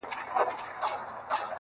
دنیا ډېره بې وفا ده نه پا یږي,